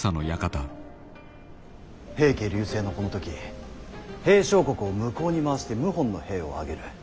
平家隆盛のこの時平相国を向こうに回して謀反の兵を挙げる。